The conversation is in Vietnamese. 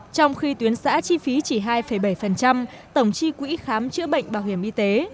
trong khi tuyến xã chi phí chỉ hai bảy tổng chi quỹ khám chữa bệnh bảo hiểm y tế